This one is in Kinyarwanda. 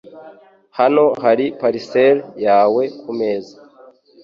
Hano hari parcelle yawe kumeza.